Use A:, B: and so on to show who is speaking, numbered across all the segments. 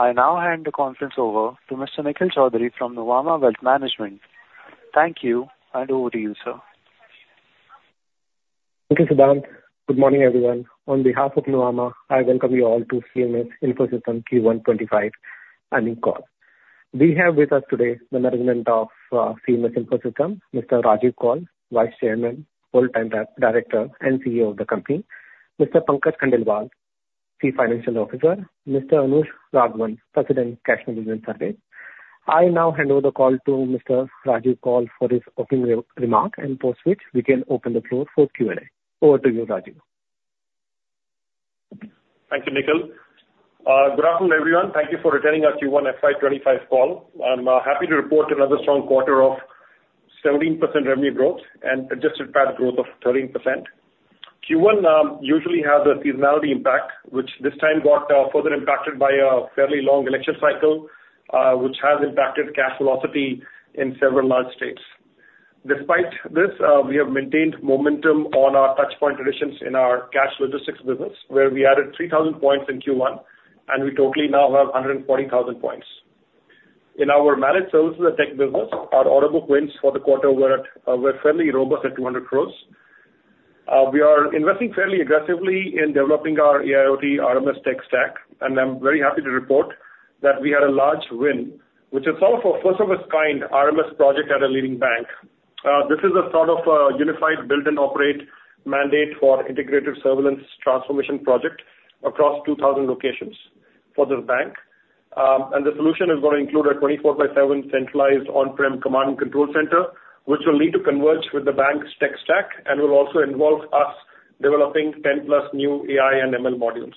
A: I now hand the conference over to Mr. Nikhil Choudhary from Nuvama Wealth Management. Thank you, and over to you, sir.
B: Thank you, Siddhant. Good morning, everyone. On behalf of Nuvama, I welcome you all to CMS Info Systems Q1 2025 earnings call. We have with us today the management of CMS Info Systems, Mr. Rajiv Kaul, Vice Chairman, whole-time director and CEO of the company. Mr. Pankaj Khandelwal, Chief Financial Officer. Mr. Anush Raghavan, President, Cash Logistics Business. I now hand over the call to Mr. Rajiv Kaul for his opening remark, and post which we can open the floor for Q&A. Over to you, Rajiv.
C: Thank you, Nikhil. Good afternoon, everyone. Thank you for attending our Q1 FY 2025 call. I'm happy to report another strong quarter of 17% revenue growth and adjusted PAT growth of 13%. Q1 usually has a seasonality impact, which this time got further impacted by a fairly long election cycle, which has impacted cash velocity in several large states. Despite this, we have maintained momentum on our touchpoint additions in our cash logistics business, where we added 3,000 points in Q1, and we totally now have 140,000 points. In our managed services and tech business, our order book wins for the quarter were at, were fairly robust at 200 crore. We are investing fairly aggressively in developing our AIoT RMS tech stack, and I'm very happy to report that we had a large win, which is sort of a first-of-its-kind RMS project at a leading bank. This is a sort of a unified build-and-operate mandate for integrated surveillance transformation project across 2,000 locations for this bank. And the solution is gonna include a 24/7 centralized on-prem command and control center, which will need to converge with the bank's tech stack and will also involve us developing 10+ new AI and ML modules.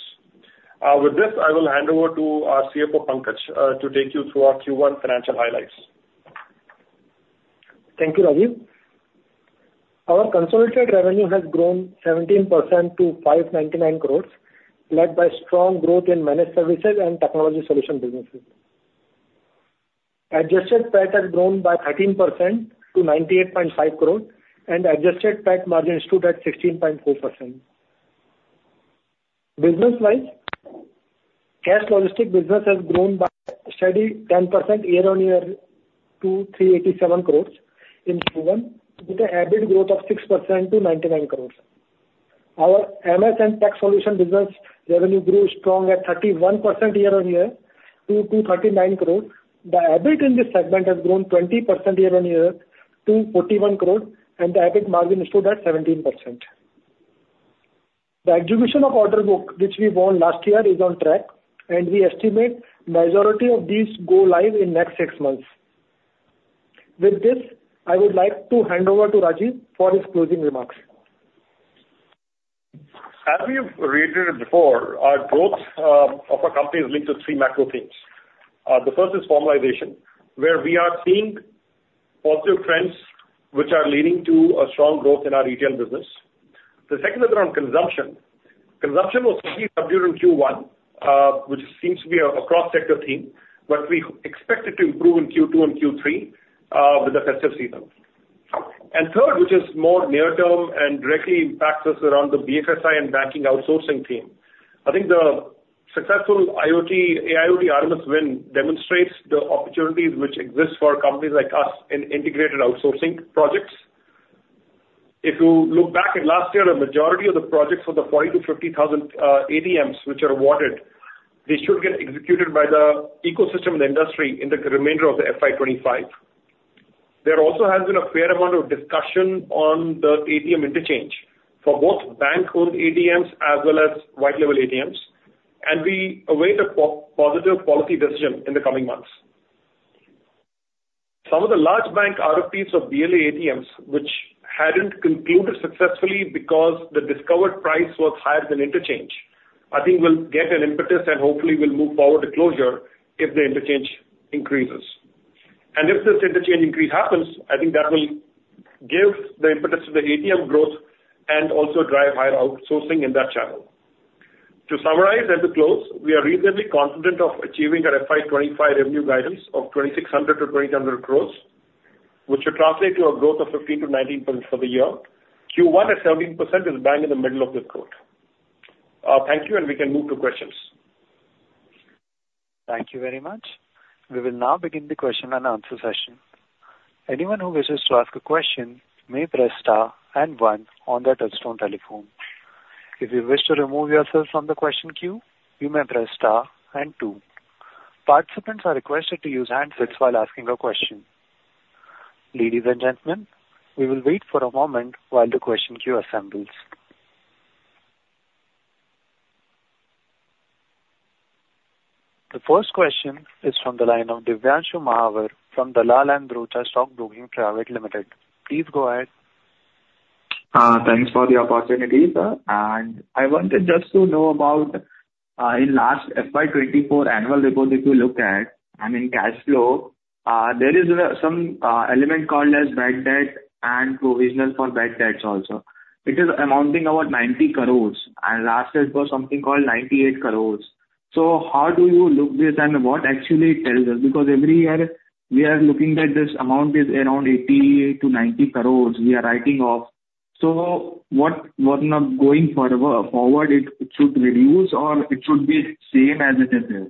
C: With this, I will hand over to our CFO, Pankaj, to take you through our Q1 financial highlights.
D: Thank you, Rajiv. Our consolidated revenue has grown 17% to 599 crores, led by strong growth in managed services and technology solution businesses. Adjusted PAT has grown by 13% to 98.5 crores, and adjusted PAT margin stood at 16.4%. Business-wise, cash logistics business has grown by a steady 10% year-on-year to 387 crores in Q1, with an EBIT growth of 6% to INR 99 crores. Our MS and tech solution business revenue grew strong at 31% year-on-year to 239 crores. The EBIT in this segment has grown 20% year-on-year to 41 crore, and the EBIT margin stood at 17%. The execution of order book, which we won last year, is on track, and we estimate majority of these go live in next six months. With this, I would like to hand over to Rajiv for his closing remarks.
C: As we have reiterated before, our growth of our company is linked to three macro themes. The first is formalization, where we are seeing positive trends which are leading to a strong growth in our retail business. The second is around consumption. Consumption was slightly subdued in Q1, which seems to be a cross-sector theme, but we expect it to improve in Q2 and Q3, with the festive season. And third, which is more near term and directly impacts us around the BFSI and banking outsourcing theme. I think the successful IoT, AIoT RMS win demonstrates the opportunities which exist for companies like us in integrated outsourcing projects. If you look back at last year, the majority of the projects for the 40,000-50,000 ATMs which are awarded, they should get executed by the ecosystem and industry in the remainder of the FY 2025. There also has been a fair amount of discussion on the ATM interchange for both bank-owned ATMs as well as white label ATMs, and we await a positive policy decision in the coming months. Some of the large bank RFPs of BLA ATMs, which hadn't concluded successfully because the discovered price was higher than interchange, I think will get an impetus and hopefully will move forward to closure if the interchange increases. And if this interchange increase happens, I think that will give the impetus to the ATM growth and also drive higher outsourcing in that channel. To summarize at the close, we are reasonably confident of achieving our FY 2025 revenue guidance of 2,600 crore-2,800 crore, which should translate to a growth of 15%-19% for the year. Q1 at 17% is bang in the middle of this growth. Thank you, and we can move to questions.
A: Thank you very much. We will now begin the question and answer session. Anyone who wishes to ask a question may press star and one on their touchtone telephone. If you wish to remove yourself from the question queue, you may press star and two. Participants are requested to use handsets while asking a question. Ladies and gentlemen, we will wait for a moment while the question queue assembles. The first question is from the line of Divyanshu Mahawar from Dalal & Broacha Stock Broking Private Limited. Please go ahead.
E: Thanks for the opportunity, sir. And I wanted just to know about, in last FY 2024 annual report, if you look at, I mean, cash flow, there is, some, element called as bad debt and provision for bad debts also. It is amounting about 90 crore, and last year it was something called 98 crore. So how do you look this, and what actually it tells us? Because every year we are looking that this amount is around 80 crore-90 crore we are writing off. So what, what now going forward, it should reduce or it should be same as it is there?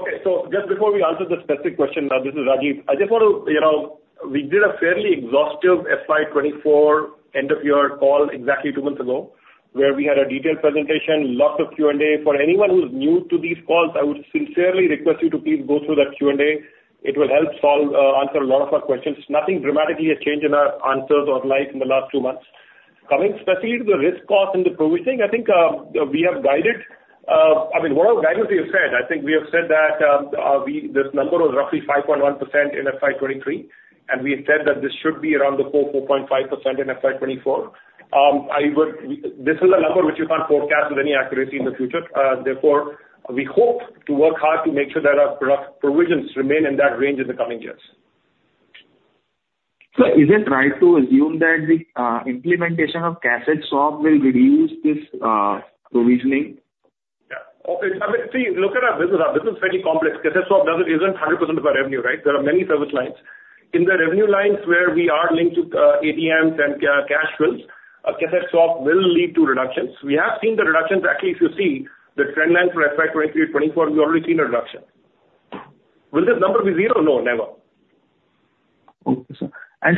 C: Okay. So just before we answer the specific question, this is Rajiv, I just want to, you know, we did a fairly exhaustive FY 2024 end of year call exactly two months ago, where we had a detailed presentation, lots of Q&A. For anyone who's new to these calls, I would sincerely request you to please go through that Q&A. It will help solve, answer a lot of our questions. Nothing dramatically has changed in our answers or life in the last two months. Coming specifically to the risk cost and the provisioning, I think, we have guided, I mean, what our guidance we have said, I think we have said that, this number was roughly 5.1% in FY 2023, and we have said that this should be around the 4-4.5% in FY 2024. This is a number which you can't forecast with any accuracy in the future. Therefore, we hope to work hard to make sure that our product provisions remain in that range in the coming years.
E: So is it right to assume that the implementation of cassette swap will reduce this provisioning?
C: Yeah. Okay. I mean, see, look at our business. Our business is fairly complex. cassette swap doesn't, isn't 100% of our revenue, right? There are many service lines. In the revenue lines where we are linked to ATMs and cash flows, a cassette swap will lead to reductions. We have seen the reductions. Actually, if you see the trend line for FY 2023, 2024, we've already seen a reduction. Will this number be zero? No, never.
E: Okay, sir.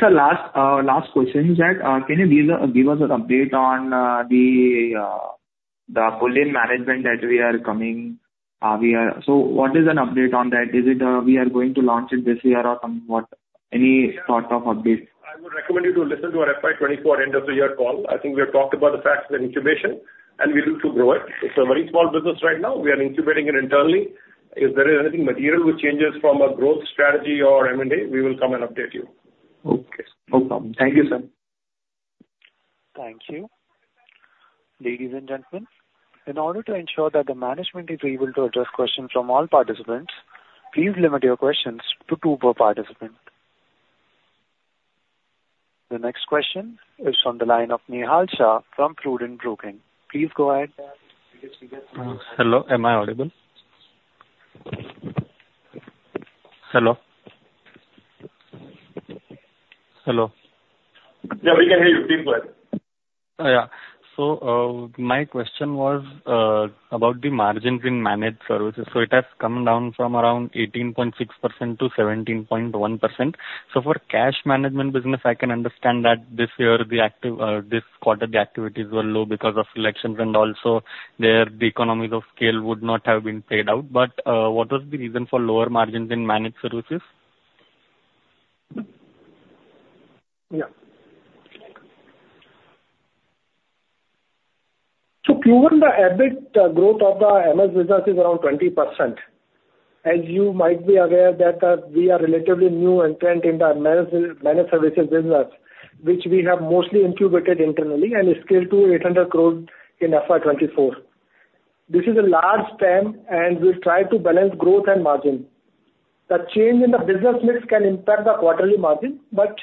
E: Sir, last question is that can you give us an update on the bullion management that we are coming? So what is an update on that? Is it we are going to launch it this year or somewhat? Any sort of update?
C: I would recommend you to listen to our FY 2024 end of the year call. I think we have talked about the facts and incubation, and we look to grow it. It's a very small business right now. We are incubating it internally. If there is anything material which changes from our growth strategy or M&A, we will come and update you.
E: Okay. No problem. Thank you, sir.
A: Thank you. Ladies and gentlemen, in order to ensure that the management is able to address questions from all participants, please limit your questions to two per participant. The next question is on the line of Nihal Shah from Prudent Broking. Please go ahead.
F: Hello. Am I audible? Hello? Hello.
C: Yeah, we can hear you. Please go ahead.
F: Yeah. So, my question was about the margins in managed services. So it has come down from around 18.6% to 17.1%. So for cash management business, I can understand that this year, the active, this quarter, the activities were low because of elections and also there, the economies of scale would not have been paid out. But, what was the reason for lower margins in managed services?
D: Yeah. So given the EBIT growth of the MS business is around 20%. As you might be aware that we are relatively new entrant in the managed services business, which we have mostly incubated internally and scaled to 800 crores in FY 2024. This is a large span, and we'll try to balance growth and margin. The change in the business mix can impact the quarterly margin, but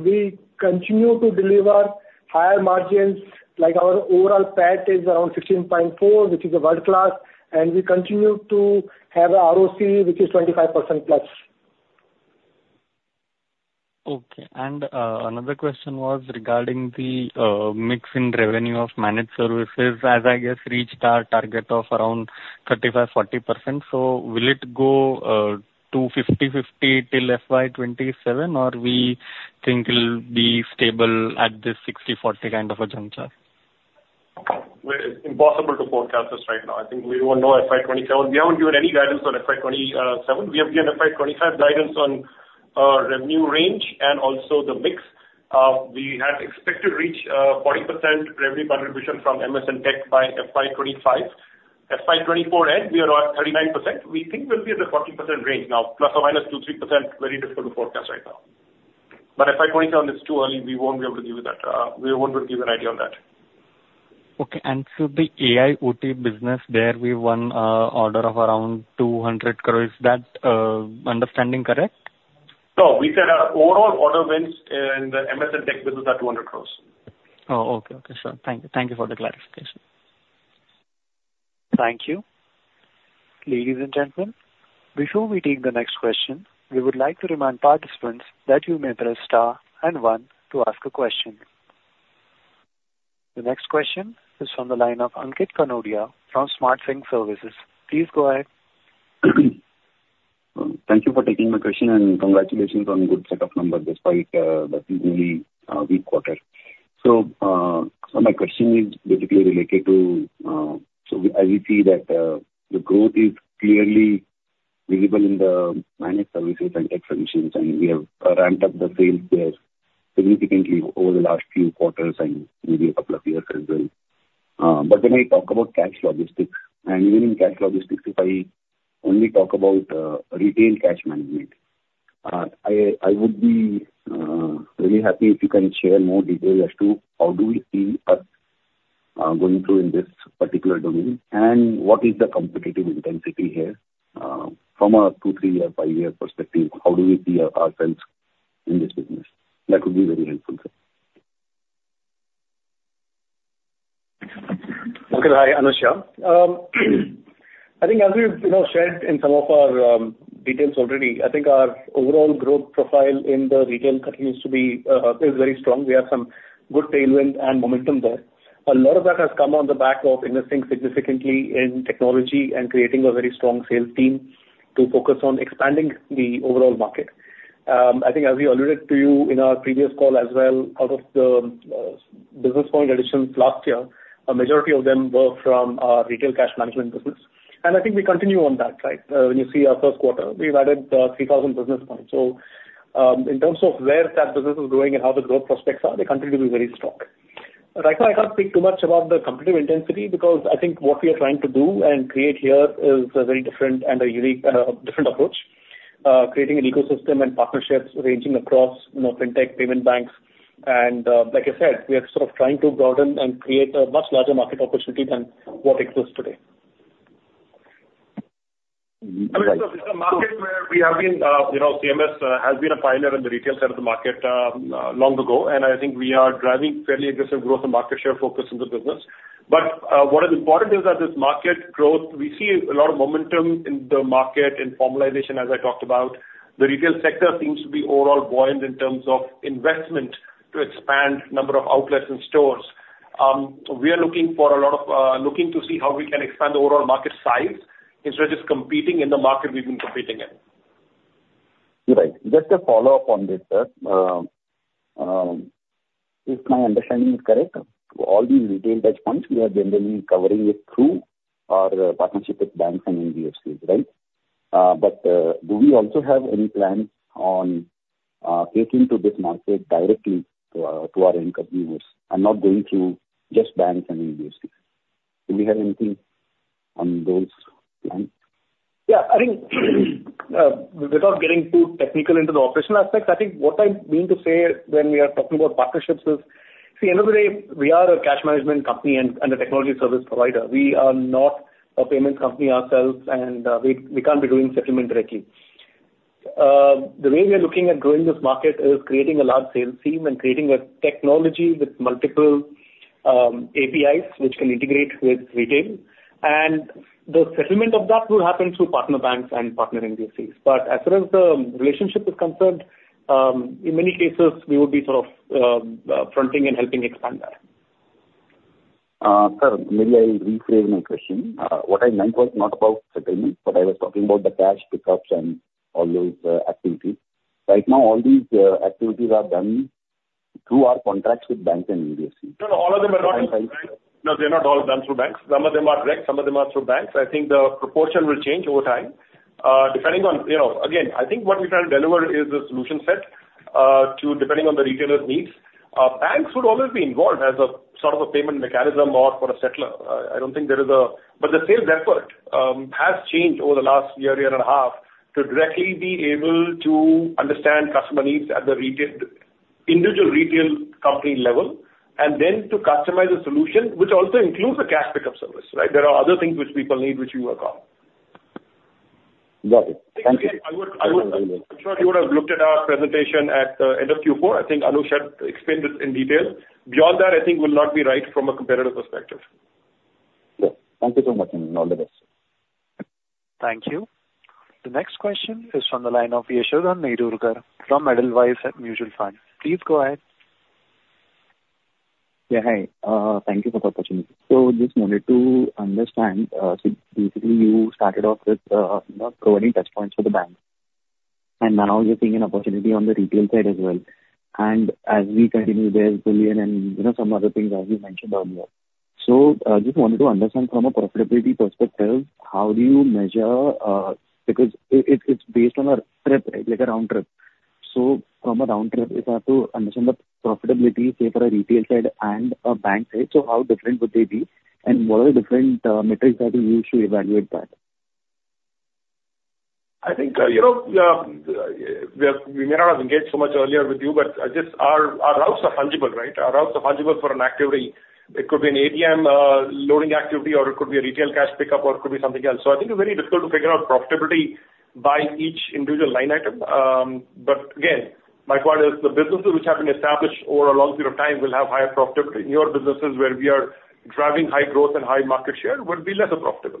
D: we continue to deliver higher margins, like our overall PAT is around 16.4%, which is a world class, and we continue to have a ROC, which is 25%+.
F: Okay. Another question was regarding the mix in revenue of managed services, as I guess, reached our target of around 35%-40%. So will it go to 50/50 till FY 2027, or we think it'll be stable at this 60/40 kind of a juncture?
C: Well, it's impossible to forecast this right now. I think we won't know FY 2027. We haven't given any guidance on FY 2027. We have given FY 2025 guidance on, revenue range and also the mix. We had expected to reach, 40% revenue contribution from MS and tech by FY 2025. FY 2024 end, we are at 39%. We think we'll be at the 40% range now, ±2-3%, very difficult to forecast right now. But FY 2027, it's too early, we won't be able to give you that, we won't be able to give an idea on that.
F: Okay. And so the AIoT business, there we won order of around 200 crore. Is that understanding correct?
C: No, we said our overall order wins in the MS and tech business are 200 crores.
F: Oh, okay. Okay, sir. Thank you. Thank you for the clarification.
A: Thank you. Ladies and gentlemen, before we take the next question, we would like to remind participants that you may press star and one to ask a question. The next question is on the line of Ankit Kanodia from Smart Sync Services. Please go ahead.
G: Thank you for taking my question, and congratulations on good set of numbers despite the usually weak quarter. So my question is basically related to so as we see that the growth is clearly visible in the managed services and tech solutions, and we have ramped up the sales there significantly over the last few quarters and maybe a couple of years as well. But when I talk about cash logistics, and even in cash logistics, if I only talk about retail cash management, I would be really happy if you can share more details as to how do we see us going forward in this particular domain, and what is the competitive intensity here from a 2-, 3-, or 5-year perspective, how do we see ourselves in this business? That would be very helpful, sir.
H: .Okay. Hi, Anush. I think as we've, you know, shared in some of our, details already, I think our overall growth profile in the retail continues to be, is very strong. We have some good tailwind and momentum there. A lot of that has come on the back of investing significantly in technology and creating a very strong sales team to focus on expanding the overall market. I think as we alluded to you in our previous call as well, out of the, business point additions last year, a majority of them were from our retail cash management business. And I think we continue on that, right? When you see our first quarter, we've added, three thousand business points. So, in terms of where that business is going and how the growth prospects are, they continue to be very strong. Right now, I can't speak too much about the competitive intensity because I think what we are trying to do and create here is a very different and a unique, different approach. Creating an ecosystem and partnerships ranging across, you know, fintech, payment banks, and, like I said, we are sort of trying to broaden and create a much larger market opportunity than what exists today.
C: I mean, this is a market where we have been, you know, CMS has been a pioneer in the retail side of the market, long ago, and I think we are driving fairly aggressive growth and market share focus in the business. But, what is important is that this market growth, we see a lot of momentum in the market, in formalization, as I talked about. The retail sector seems to be overall buoyant in terms of investment to expand number of outlets and stores. We are looking to see how we can expand the overall market size, instead of just competing in the market we've been competing in.
G: Right. Just a follow-up on this, sir. If my understanding is correct, all these retail touchpoints, we are generally covering it through our partnership with banks and NBFCs, right? But do we also have any plans on taking to this market directly to our end consumers and not going through just banks and NBFCs? Do we have anything on those plans?
H: Yeah, I think without getting too technical into the operational aspects, I think what I mean to say when we are talking about partnerships is, see, end of the day, we are a cash management company and a technology service provider. We are not a payments company ourselves, and we can't be doing settlement directly. The way we are looking at growing this market is creating a large sales team and creating a technology with multiple APIs, which can integrate with retail. And the settlement of that will happen through partner banks and partner NBFCs. But as far as the relationship is concerned, in many cases, we would be sort of fronting and helping expand that.
G: Sir, maybe I'll rephrase my question. What I meant was not about settlements, but I was talking about the cash pickups and all those, activities. Right now, all these activities are done through our contracts with banks and NBFCs.
C: No, no, all of them are not. No, they're not all done through banks. Some of them are direct, some of them are through banks. I think the proportion will change over time, depending on. You know, again, I think what we try to deliver is a solution set, to depending on the retailer's needs. Banks would always be involved as a sort of a payment mechanism or for a settler. I don't think there is a. But the sales effort has changed over the last year, year and a half, to directly be able to understand customer needs at the retail, individual retail company level, and then to customize a solution, which also includes a cash pickup service, right? There are other things which people need, which we work on. Got it. Thank you. I'm sure you would have looked at our presentation at the end of Q4. I think Anush explained this in detail. Beyond that, I think will not be right from a competitive perspective.
G: Yeah. Thank you so much, and all the best.
A: Thank you. The next question is from the line of Yashodhan Nerurkar from Edelweiss Mutual Fund. Please go ahead.
I: Yeah, hi. Thank you for the opportunity. So just wanted to understand, so basically, you started off with providing touchpoints for the bank, and now you're seeing an opportunity on the retail side as well. And as we continue, there's bullion and, you know, some other things as you mentioned earlier. So just wanted to understand from a profitability perspective, how do you measure. Because it's, it's based on a trip, right? Like a round trip. So from a round trip, if I have to understand the profitability, say, for a retail side and a bank side, so how different would they be? And what are the different metrics that you use to evaluate that?
C: I think, you know, we have, we may not have engaged so much earlier with you, but, just our, our routes are fungible, right? Our routes are fungible for an activity. It could be an ATM loading activity, or it could be a retail cash pickup, or it could be something else. So I think it's very difficult to figure out profitability by each individual line item. But again, my point is the businesses which have been established over a long period of time will have higher profitability. Newer businesses, where we are driving high growth and high market share, will be less profitable.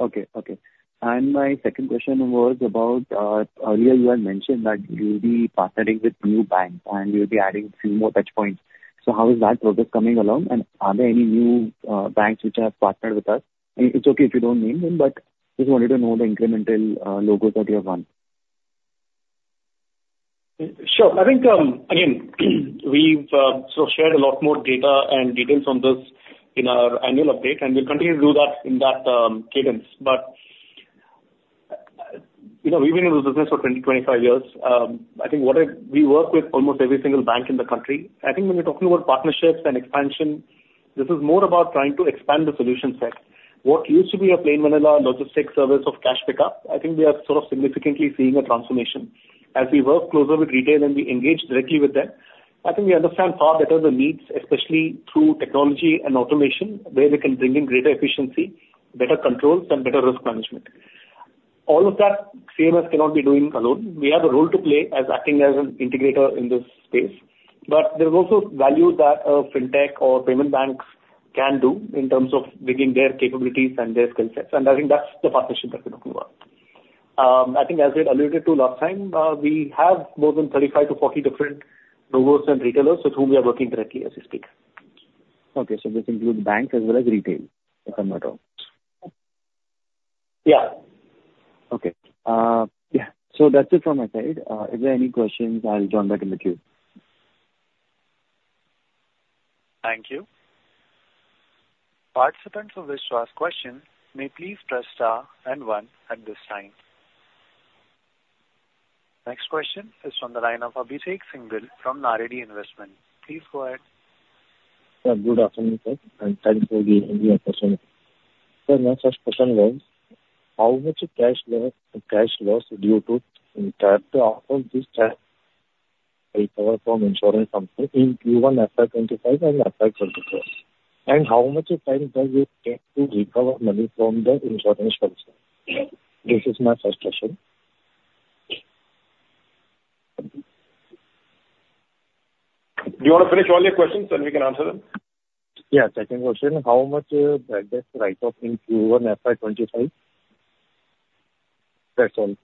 I: Okay. Okay. And my second question was about, earlier you had mentioned that you'll be partnering with new banks, and you'll be adding few more touchpoints. So how is that progress coming along? And are there any new, banks which have partnered with us? And it's okay if you don't name them, but just wanted to know the incremental, logos that you have won.
H: Sure. I think, again, we've shared a lot more data and details on this in our annual update, and we'll continue to do that in that, cadence. But, you know, we've been in this business for 20-25 years. I think we work with almost every single bank in the country. I think when you're talking about partnerships and expansion, this is more about trying to expand the solution set. What used to be a plain vanilla logistic service of cash pickup, I think we are sort of significantly seeing a transformation. As we work closer with retail and we engage directly with them, I think we understand far better the needs, especially through technology and automation, where we can bring in greater efficiency, better controls, and better risk management. All of that CMS cannot be doing alone. We have a role to play as acting as an integrator in this space, but there is also value that a fintech or payment banks can do in terms of bringing their capabilities and their skill sets, and I think that's the partnership that we're looking for. I think as I alluded to last time, we have more than 35-40 different logos and retailers with whom we are working directly as we speak.
I: Okay, so this includes banks as well as retail, if I'm not wrong?
H: Yeah.
I: Okay. Yeah, so that's it from my side. If there are any questions, I'll join back in the queue.
A: Thank you. Participants who wish to ask questions may please press Star and One at this time. Next question is from the line of Abhishek Singhal from Naredi Investments. Please go ahead.
J: Yeah, good afternoon, sir, and thank you for the in-person. So my first question was, how much cash loss, cash loss due to in terms of this time recover from insurance company in Q1 FY25 and FY24? And how much time does it take to recover money from the insurance company? This is my first question.
C: Do you want to finish all your questions, then we can answer them?
J: Yeah. Second question, how much bad debt write-off in Q1 FY25? That's all.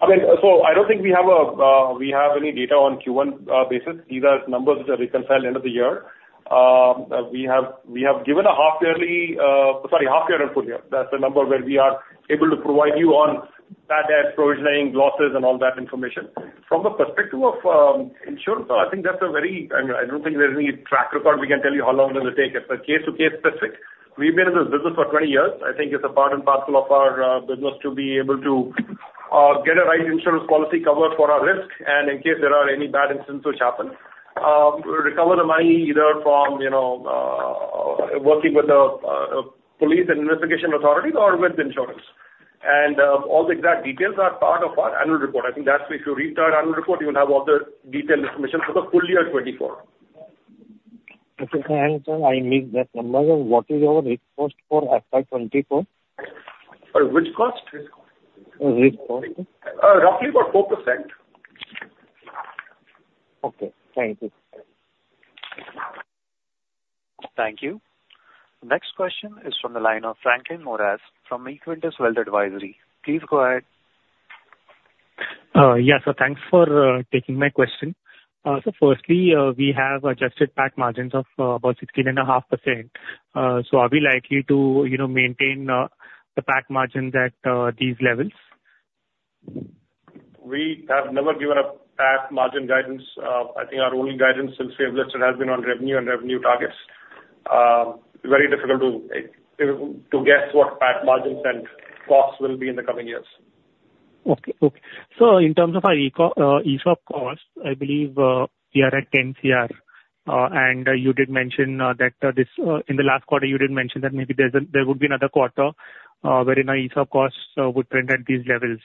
C: I mean, so I don't think we have any data on Q1 basis. These are numbers which are reconciled end of the year. We have given a half yearly, sorry, half year and full year. That's the number where we are able to provide you on bad debt provisioning, losses, and all that information. From the perspective of insurance, I think that's a very. I don't think there's any track record we can tell you how long it will take. It's a case-to-case specific. We've been in this business for 20 years. I think it's a part and parcel of our business to be able to get a right insurance policy cover for our risk, and in case there are any bad incidents which happen, recover the money either from, you know, working with the police and investigation authorities or with insurance. All the exact details are part of our annual report. I think that's why if you read our annual report, you will have all the detailed information for the full year 2024.
J: Okay, sir. I understand. I need that number. What is our risk cost for FY 2024?
C: Which cost?
J: Risk cost.
C: Roughly about 4%.
J: Okay, thank you.
A: Thank you. Next question is from the line of Franklin Moraes from Equentis Wealth Advisory. Please go ahead.
K: Yes, so thanks for taking my question. So firstly, we have adjusted PAT margins of about 16.5%. So are we likely to, you know, maintain the PAT margins at these levels?
C: We have never given a PAT margin guidance. I think our only guidance since we have listed has been on revenue and revenue targets. Very difficult to guess what PAT margins and costs will be in the coming years.
K: Okay, okay. So in terms of our ESOP costs, I believe we are at 10 crore. And you did mention that this, in the last quarter, you did mention that maybe there would be another quarter where our ESOP costs would trend at these levels,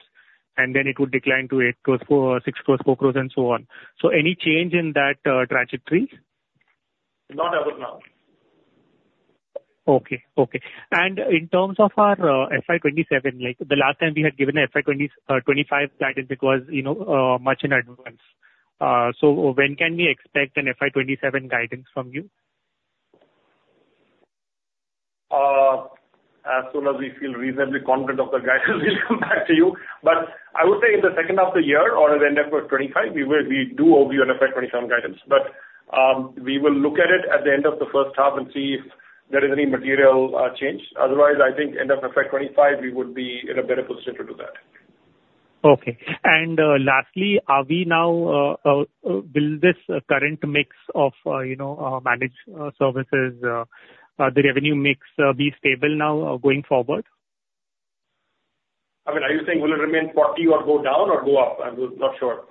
K: and then it would decline to 8 crore, 4 crore-6 crore, 4 crore, and so on. So any change in that trajectory?
C: Not as of now.
K: Okay, okay. And in terms of our FY 27, like, the last time we had given a FY 25 guidance, it was, you know, much in advance. So when can we expect an FY 27 guidance from you?
C: As soon as we feel reasonably confident of the guidance, we'll come back to you. But I would say in the second half of the year or at the end of FY 2025, we will. we do owe you an FY 2027 guidance. But, we will look at it at the end of the first half and see if there is any material change. Otherwise, I think end of FY 2025, we would be in a better position to do that.
K: Okay. And lastly, will this current mix of, you know, managed services, the revenue mix, be stable now, going forward?
C: I mean, are you saying will it remain 40 or go down or go up? I'm not sure.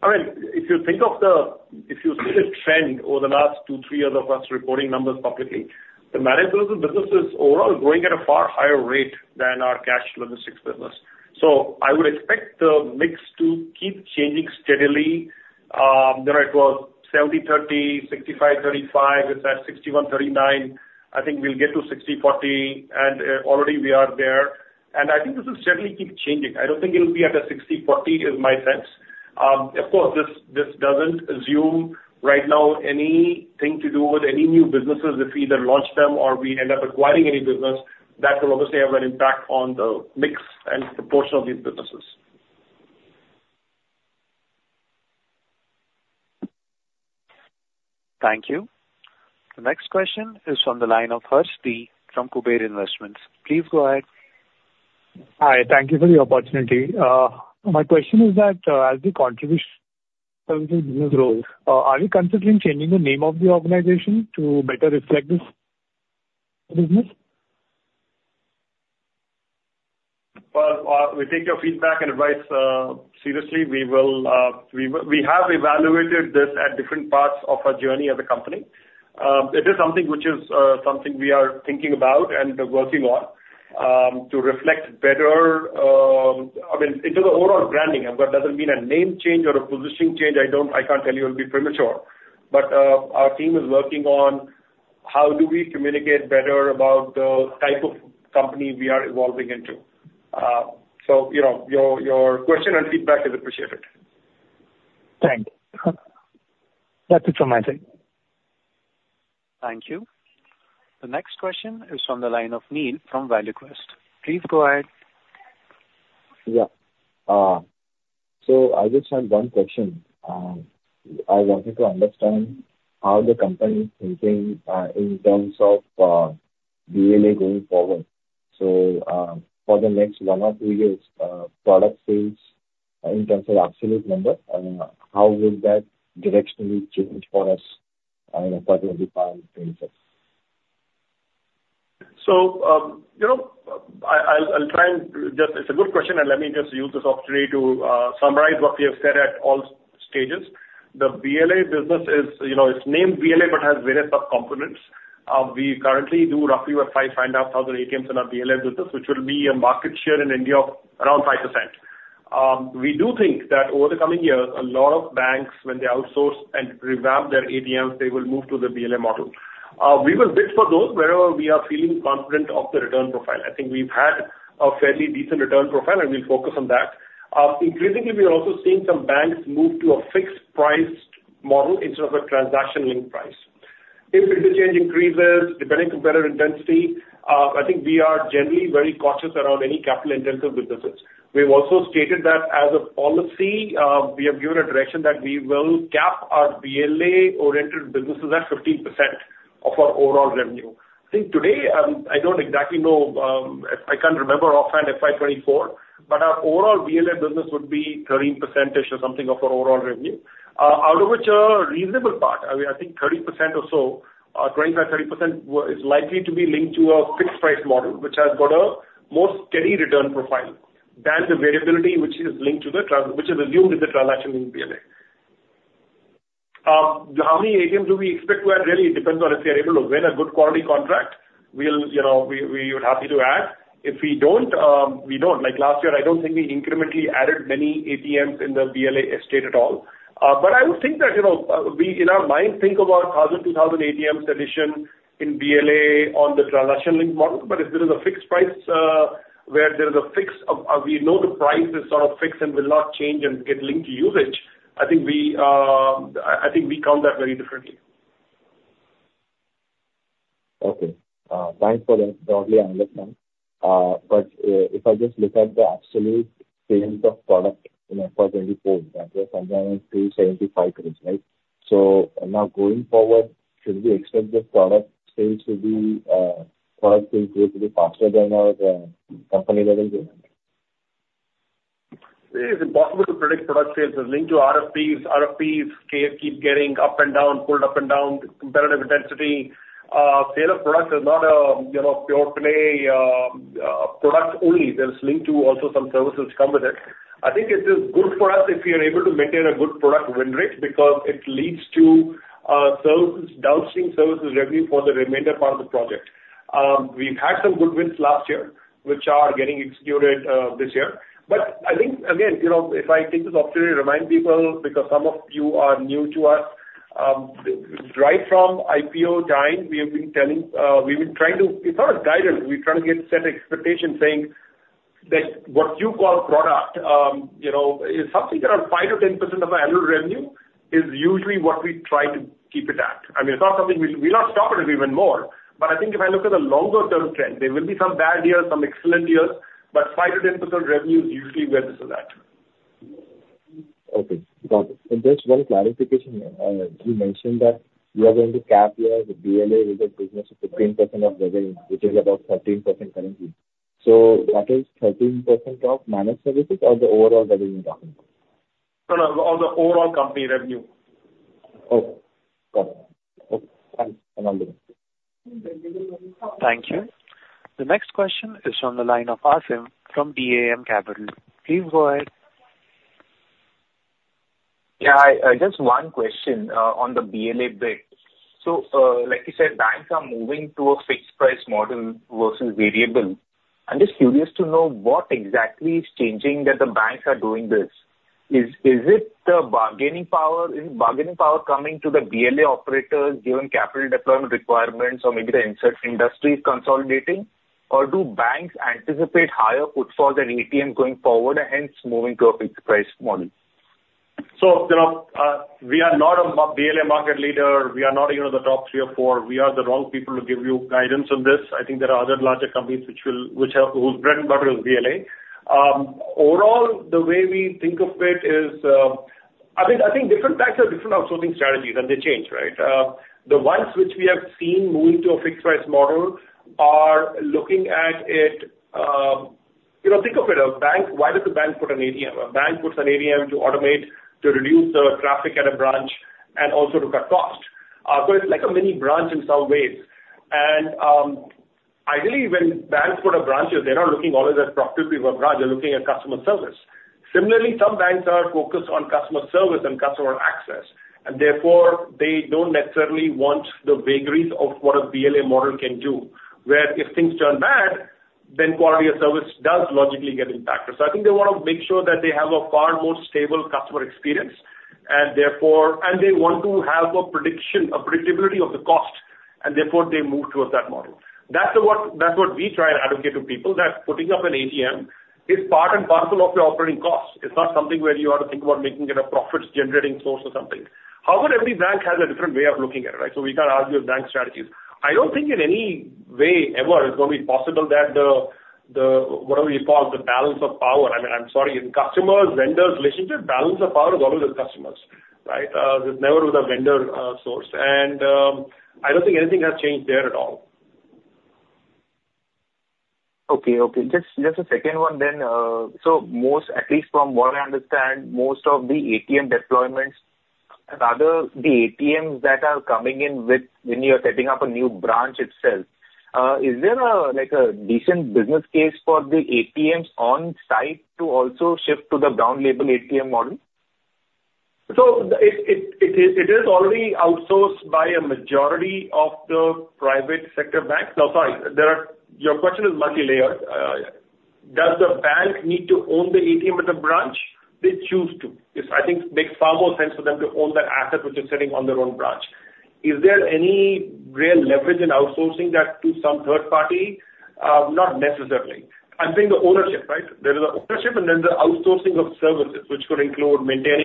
C: I mean, if you see the trend over the last two, three years of us reporting numbers publicly, the managed services business is overall growing at a far higher rate than our cash logistics business. So I would expect the mix to keep changing steadily. You know, it was 70/30, 65/35, it's at 61/39. I think we'll get to 60/40, and already we are there. And I think this will certainly keep changing. I don't think it will be at a 60/40, is my sense. Of course, this doesn't assume right now anything to do with any new businesses. If we either launch them or we end up acquiring any business, that will obviously have an impact on the mix and the portion of these businesses.
A: Thank you. The next question is from the line of Harsh D. from Kuber Investments. Please go ahead.
L: Hi, thank you for the opportunity. My question is that, as the contribution business grows, are you considering changing the name of the organization to better reflect this business?
C: Well, we take your feedback and advice seriously. We will, we will. We have evaluated this at different parts of our journey as a company. It is something which is something we are thinking about and working on to reflect better, I mean, into the overall branding, but doesn't mean a name change or a positioning change. I don't, I can't tell you, it'll be premature. But, our team is working on how do we communicate better about the type of company we are evolving into. So, you know, your question and feedback is appreciated.
L: Thank you. That's it from my side.
A: Thank you. The next question is from the line of Neel from ValueQuest. Please go ahead.
M: Yeah. So I just had one question. I wanted to understand how the company is thinking in terms of BLA going forward. So, for the next 1 or 2 years, product sales in terms of absolute number, I mean, how will that directionally change for us in the next 5-10 years?
C: So, you know, I'll try and just. It's a good question, and let me just use this opportunity to summarize what we have said at all stages. The BLA business is, you know, it's named BLA, but has various subcomponents. We currently do roughly about 5, 5.5 thousand ATMs in our BLA business, which will be a market share in India of around 5%. We do think that over the coming years, a lot of banks, when they outsource and revamp their ATMs, they will move to the BLA model. We will bid for those wherever we are feeling confident of the return profile. I think we've had a fairly decent return profile, and we'll focus on that. Increasingly, we are also seeing some banks move to a fixed-priced model instead of a transaction-linked price. If interchange increases, depending on competitor density, I think we are generally very cautious around any capital-intensive businesses. We have also stated that as a policy, we have given a direction that we will cap our BLA-oriented businesses at 15% of our overall revenue. I think today, I don't exactly know, I can't remember offhand FY 2024, but our overall BLA business would be 13%-ish or something of our overall revenue. Out of which a reasonable part, I mean, I think 30% or so, 25-30% is likely to be linked to a fixed price model, which has got a more steady return profile than the variability which is linked to the transaction in BLA. How many ATMs do we expect to add? Really, it depends on if we are able to win a good quality contract, we'll, you know, we would be happy to add. If we don't, we don't. Like, last year, I don't think we incrementally added many ATMs in the BLA estate at all. But I would think that, you know, we, in our mind, think about 1,000, 2,000 ATMs addition in BLA on the transaction-linked model. But if there is a fixed price, where there is a fixed, we know the price is sort of fixed and will not change and get linked to usage, I think we, I think we count that very differently.
M: Okay. Thanks for the broad understanding. But, if I just look at the absolute sales of product, you know, for 2024, that was somewhere around 375 crore, right? So now, going forward, should we expect the product sales to be, product sales grow to be faster than our, company revenue?
C: It is impossible to predict product sales. It's linked to RFPs. RFPs keep getting up and down, pulled up and down, competitive intensity. Sale of product is not a, you know, pure play, product only. There's linked to also some services come with it. I think it is good for us if we are able to maintain a good product win rate, because it leads to services, downstream services revenue for the remainder part of the project. We've had some good wins last year, which are getting executed this year. But I think, again, you know, if I take this opportunity to remind people, because some of you are new to us, right from IPO time, we have been telling, we've been trying to. It's not a guidance. We're trying to get set expectation, saying that what you call product, you know, is something around 5%-10% of our annual revenue is usually what we try to keep it at. I mean, it's not something we, we're not stopping it even more. But I think if I look at the longer-term trend, there will be some bad years, some excellent years, but 5%-10% revenue is usually where this is at.
M: Okay, got it. Just one clarification. You mentioned that you are going to cap your BLA business at 15% of revenue, which is about 13% currently. That is 13% of managed services or the overall revenue coming?
C: No, no, of the overall company revenue.
M: Okay. Got it. Okay, thanks another.
B: Thank you. The next question is from the line of Aasim from DAM Capital. Please go ahead.
N: Yeah, I just one question on the BLA bit. So, like you said, banks are moving to a fixed price model versus variable. I'm just curious to know what exactly is changing that the banks are doing this. Is, is it the bargaining power, is bargaining power coming to the BLA operators, given capital deployment requirements, or maybe the ATM industry is consolidating? Or do banks anticipate higher footfall than ATM going forward, and hence moving to a fixed price model?
C: So, you know, we are not a BLA market leader. We are not even in the top three or four. We are the wrong people to give you guidance on this. I think there are other larger companies which will, which have, whose bread and butter is BLA. Overall, the way we think of it is, I think, I think different banks have different outsourcing strategies, and they change, right? The ones which we have seen moving to a fixed price model are looking at it. You know, think of it, a bank, why does a bank put an ATM? A bank puts an ATM to automate, to reduce the traffic at a branch, and also to cut costs. So it's like a mini branch in some ways. Ideally, when banks put up branches, they're not looking always at profitability of a branch, they're looking at customer service. Similarly, some banks are focused on customer service and customer access, and therefore, they don't necessarily want the vagaries of what a BLA model can do, where if things turn bad, then quality of service does logically get impacted. So I think they want to make sure that they have a far more stable customer experience, and therefore, and they want to have a prediction, a predictability of the cost, and therefore, they move towards that model. That's what, that's what we try and advocate to people, that putting up an ATM is part and parcel of your operating cost. It's not something where you have to think about making it a profit-generating source or something. However, every bank has a different way of looking at it, right? So we can't argue with bank strategies. I don't think in any way ever it's going to be possible that the whatever you call, the balance of power. I mean, I'm sorry, in customers, vendors, relationship, balance of power is always with customers, right? It's never with the vendor source. I don't think anything has changed there at all.
N: Okay. Okay. Just, just a second one then. So most, at least from what I understand, most of the ATM deployments and other, the ATMs that are coming in with, when you are setting up a new branch itself, is there a, like a decent business case for the ATMs on site to also shift to the Brown Label ATM model?
C: So it is already outsourced by a majority of the private sector banks. No, sorry, there are. Your question is multilayered. Does the bank need to own the ATM at the branch? They choose to. Yes, I think it makes far more sense for them to own that asset which is sitting on their own branch. Is there any real leverage in outsourcing that to some third party? Not necessarily. I'm saying the ownership, right? There is a ownership and then the outsourcing of services, which could include maintaining-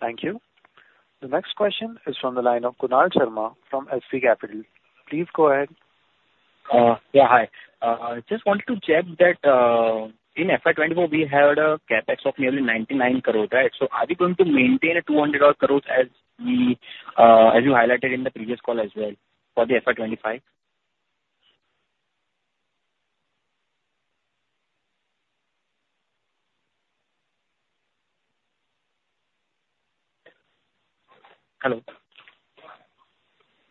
A: Thank you. The next question is from the line of Kunal Sharma from SP Capital. Please go ahead.
O: Yeah, hi. I just wanted to check that, in FY 2024, we had a CapEx of nearly 99 crores, right? So are we going to maintain 200-odd crores as we, as you highlighted in the previous call as well for the FY 2025?
B: Hello?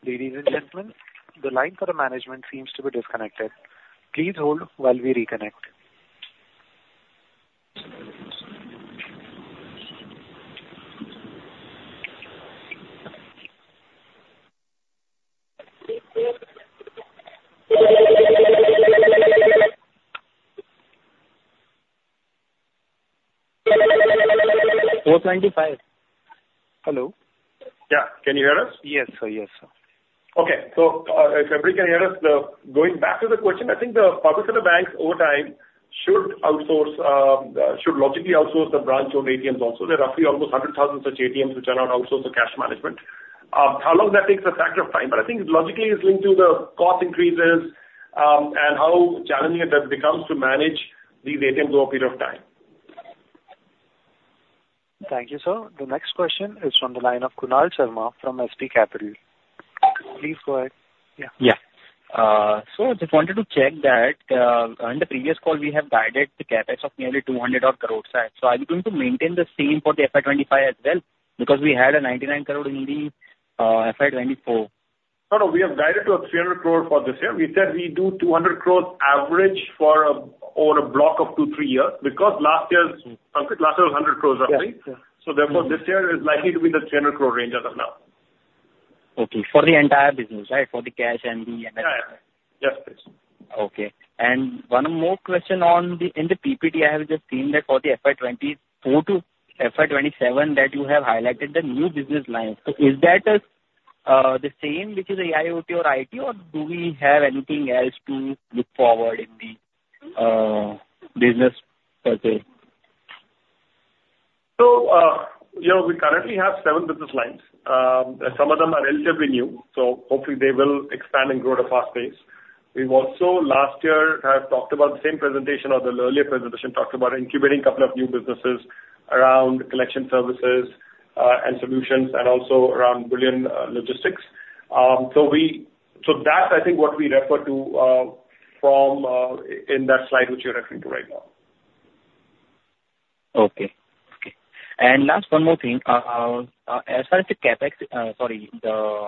B: Ladies and gentlemen, the line for the management seems to be disconnected. Please hold while we reconnect. Hello.
C: Yeah. Can you hear us?
O: Yes, sir. Yes, sir.
C: Okay. So, if everybody can hear us, going back to the question, I think the public sector banks over time should outsource, should logically outsource the branch-owned ATMs also. There are roughly almost 100,000 such ATMs which are not outsourced for cash management. How long that takes a factor of time, but I think logically it's linked to the cost increases, and how challenging it does becomes to manage these ATMs over a period of time.
A: Thank you, sir. The next question is from the line of Kunal Sharma from SP Capital. Please go ahead.
O: Yeah. Yeah. So just wanted to check that, in the previous call, we have guided the CapEx of nearly 200 odd crore, right? So are you going to maintain the same for the FY 2025 as well? Because we had a 99 crore in the FY 2024.
C: No, no. We have guided to 300 crore for this year. We said we do 200 crore average for a, over a block of two, three years, because last year's-
O: Mm.
C: Pankaj, last year was 100 crores, roughly.
O: Yeah. Yeah.
C: So therefore, this year is likely to be the 300 crore range as of now.
O: Okay. For the entire business, right? For the cash and the-
C: Yeah. Yes, please.
O: Okay. And one more question on the. In the PPT, I have just seen that for the FY 2024 to FY 2027, that you have highlighted the new business lines. So is that the same, which is AIoT or IT, or do we have anything else to look forward in the business per se?
C: So, you know, we currently have seven business lines. And some of them are relatively new, so hopefully they will expand and grow at a fast pace. We've also, last year, have talked about the same presentation or the earlier presentation, talked about incubating a couple of new businesses around collection services and solutions and also around cash logistics. So that's, I think, what we refer to from in that slide which you're referring to right now.
O: Okay. Okay. And last one more thing. As far as the CapEx, sorry, the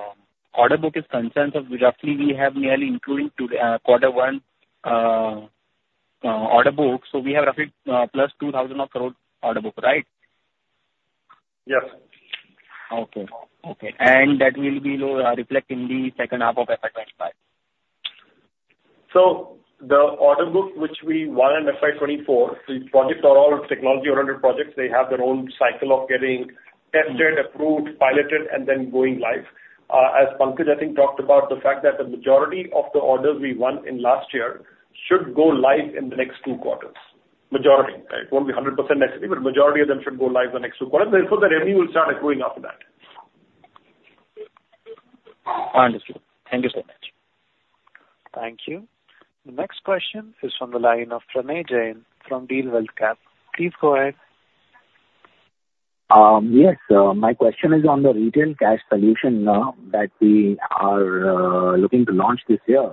O: order book is concerned, so roughly we have nearly including to quarter one order book, so we have roughly plus 2,000 crore order book, right?
C: Yes.
O: Okay. Okay. And that will be reflect in the second half of FY 25?
C: So the order book which we won in FY 2024, the projects are all technology-oriented projects. They have their own cycle of getting tested-
O: Mm.
C: Approved, piloted, and then going live. As Pankaj, I think, talked about the fact that the majority of the orders we won in last year should go live in the next two quarters. Majority, right? It won't be 100% necessarily, but majority of them should go live the next two quarters. Therefore, the revenue will start accruing after that.
O: Understood. Thank you so much.
A: Thank you. The next question is from the line of Pranay Jain from DealWealth Capital. Please go ahead.
P: Yes. My question is on the retail cash solution that we are looking to launch this year.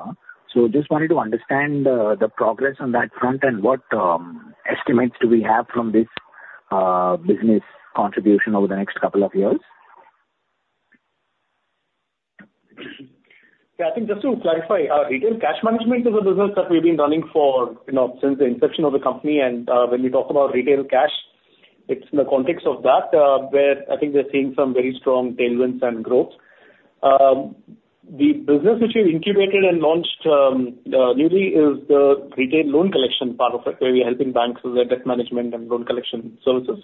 P: So just wanted to understand the progress on that front and what estimates do we have from this?. business contribution over the next couple of years?
H: Yeah, I think just to clarify, our retail cash management is a business that we've been running for, you know, since the inception of the company. And when we talk about retail cash, it's in the context of that, where I think we are seeing some very strong tailwinds and growth. The business which we incubated and launched newly is the retail loan collection part of it, where we are helping banks with their debt management and loan collection services.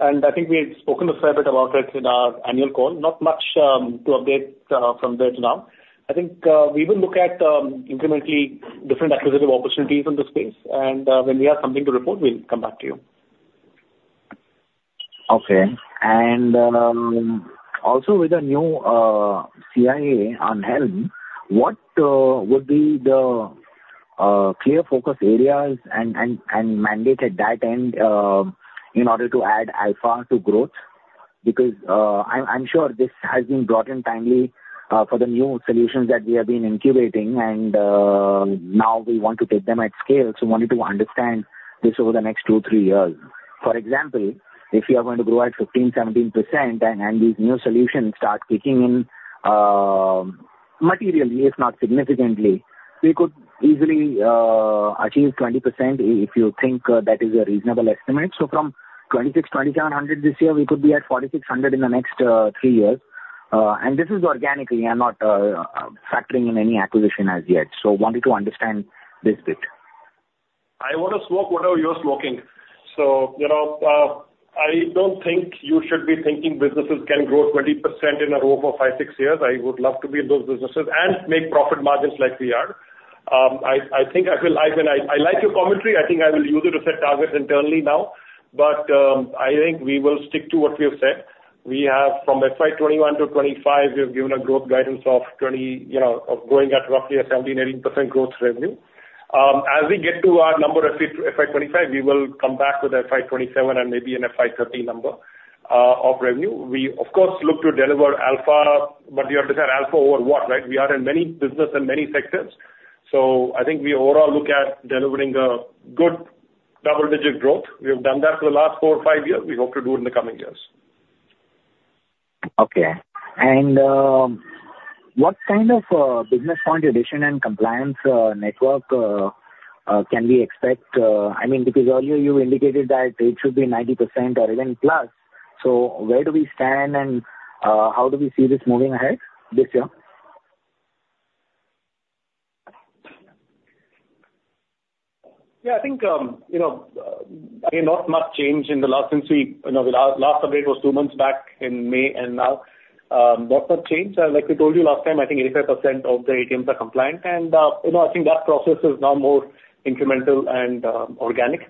H: And I think we had spoken a fair bit about it in our annual call, not much to update from there to now. I think we will look at incrementally different acquisitive opportunities in this space, and when we have something to report, we'll come back to you.
P: Okay. And also with a new CIO at the helm, what would be the clear focus areas and mandate at that end in order to add alpha to growth? Because I'm sure this has been brought in timely for the new solutions that we have been incubating, and now we want to take them at scale. So wanted to understand this over the next 2-3 years. For example, if you are going to grow at 15%-17% and these new solutions start kicking in materially, if not significantly, we could easily achieve 20% if you think that is a reasonable estimate. So from 2,600-2,700 this year, we could be at 4,600 in the next three years. This is organically. I'm not factoring in any acquisition as yet, so wanted to understand this bit.
C: I want to smoke whatever you're smoking. So, you know, I don't think you should be thinking businesses can grow 20% in a row for 5-6 years. I would love to be in those businesses and make profit margins like we are. I think I will, I mean, I like your commentary. I think I will use it to set targets internally now. But, I think we will stick to what we have said. We have from FY 2021 to 2025, we have given a growth guidance of 20, you know, of growing at roughly a 17%-18% growth revenue. As we get to our number at FY 2025, we will come back with FY 2027 and maybe an FY 2030 number of revenue. We, of course, look to deliver alpha, but we have to say alpha over what, right? We are in many businesses and many sectors. So I think we overall look at delivering a good double-digit growth. We have done that for the last 4, 5 years. We hope to do it in the coming years.
P: Okay. What kind of business point addition and compliance network can we expect? I mean, because earlier you indicated that it should be 90% or even plus. So where do we stand, and how do we see this moving ahead this year?
H: Yeah, I think, you know, again, not much change in the last since we. You know, the last update was two months back in May, and now, not much change. Like we told you last time, I think 85% of the ATMs are compliant, and, you know, I think that process is now more incremental and, organic.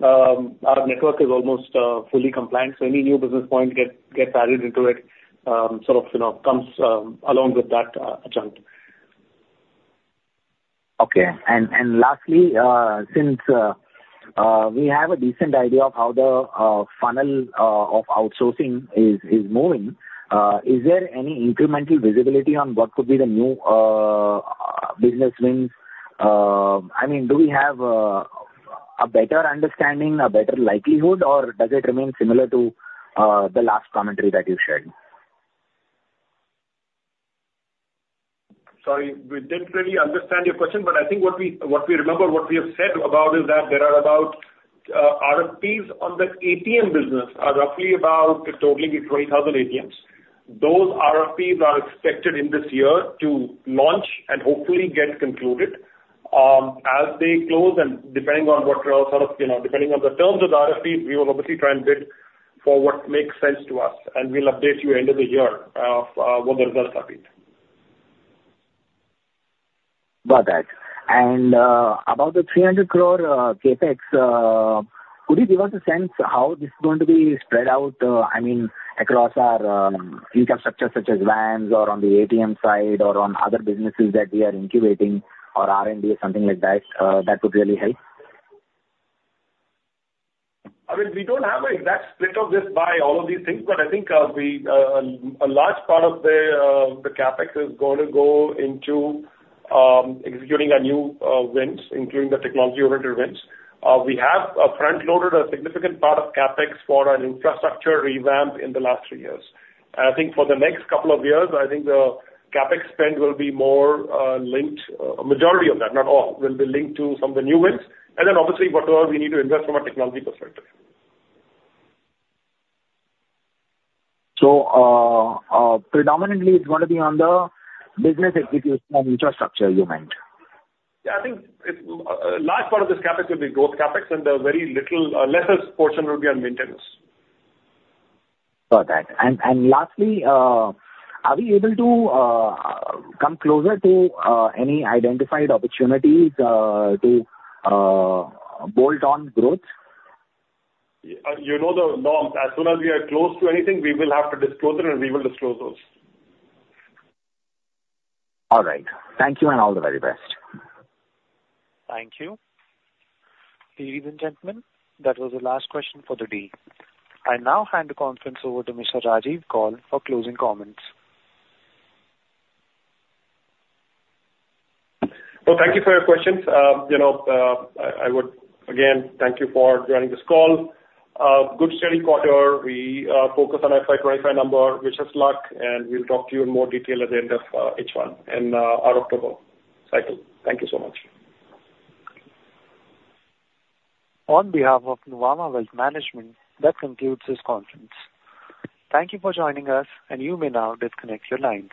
H: Our network is almost fully compliant, so any new business point gets added into it, sort of, you know, comes along with that chunk.
P: Okay. And, and lastly, since we have a decent idea of how the funnel of outsourcing is moving, is there any incremental visibility on what could be the new business wins? I mean, do we have a better understanding, a better likelihood, or does it remain similar to the last commentary that you shared?
C: Sorry, we didn't really understand your question, but I think what we, what we remember, what we have said about is that there are about RFPs on the ATM business are roughly about totaling to 20,000 ATMs. Those RFPs are expected in this year to launch and hopefully get concluded. As they close and depending on what sort of, you know, depending on the terms of the RFPs, we will obviously try and bid for what makes sense to us, and we'll update you end of the year what the results are be.
P: Got that. And, about the 300 crore CapEx, could you give us a sense how this is going to be spread out, I mean, across our infrastructure, such as vans or on the ATM side, or on other businesses that we are incubating or R&D or something like that, that would really help?
C: I mean, we don't have an exact split of this by all of these things, but I think, we, a large part of the, the CapEx is going to go into, executing our new, wins, including the technology-related wins. We have, front-loaded a significant part of CapEx for an infrastructure revamp in the last three years. I think for the next couple of years, I think the CapEx spend will be more, linked, majority of that, not all, will be linked to some of the new wins, and then obviously whatever we need to invest from a technology perspective.
P: Predominantly it's going to be on the business execution and infrastructure you meant?
C: Yeah, I think it's. a large part of this CapEx will be growth CapEx, and the very little, a lesser portion will be on maintenance.
P: Got that. And, and lastly, are we able to come closer to any identified opportunities to bolt on growth?
C: You know the norms. As soon as we are close to anything, we will have to disclose it, and we will disclose those.
P: All right. Thank you, and all the very best.
A: Thank you. Ladies and gentlemen, that was the last question for the day. I now hand the conference over to Mr. Rajiv Kaul for closing comments.
C: Well, thank you for your questions. You know, I would again thank you for joining this call. Good, steady quarter. We focus on FY 25 number. Wish us luck, and we'll talk to you in more detail at the end of H1 and our October cycle. Thank you so much.
B: On behalf of Nuvama Wealth Management, that concludes this conference. Thank you for joining us, and you may now disconnect your lines.